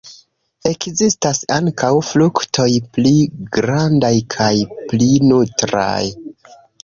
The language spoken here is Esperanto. Ekzistas ankaŭ fruktoj pli grandaj kaj pli nutraj.